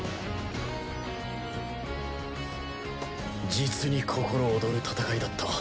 実に心躍る闘いだった。